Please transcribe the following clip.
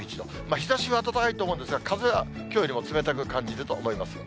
日ざしは暖かいと思うんですが、風はきょうよりも冷たく感じると思います。